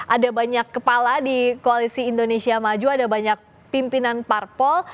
ada banyak kepala di koalisi indonesia maju ada banyak pimpinan parpol